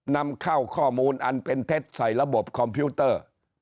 นำเข้าข้อมูลอันเป็นเท็จใส่ระบบคอมพิวเตอร์